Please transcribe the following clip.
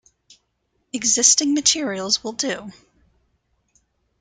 Existing materials will do.